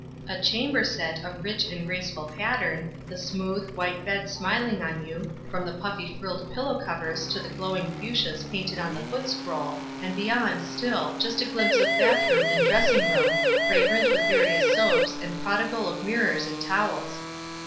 A chamber set of rich and graceful pattern, the smooth, w r hito bed smiling on you, from the puffy frilled pil low covers to the glowing fuscias painted on the foot scroll, and beyond, still, just a glimpse of bath room and dressing room, fragrant with various soaps and prodigal of mirrors and tow els.